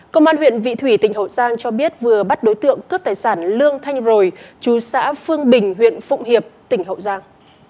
công an huyện vị thủy tỉnh hậu giang cho biết vừa bắt đối tượng cướp tài sản lương thanh rồi chú xã phương bình huyện phụng hiệp tỉnh hậu giang